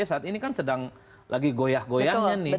saat ini kan sedang lagi goyah goyahnya